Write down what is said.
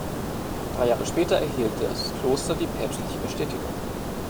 Drei Jahre später erhielt das Kloster die päpstliche Bestätigung.